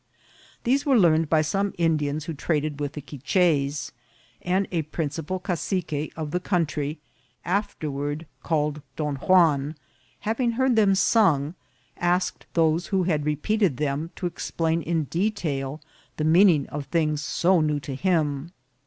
These were learned by some Indians who traded with the Quiches, and a principal cacique of the country, afterward called Don Juan, having heard them sung, asked those who had repeated them to explain in detail the meaning of things so new to him.